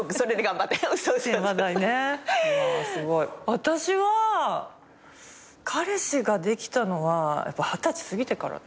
私は彼氏ができたのは二十歳過ぎてからだよ。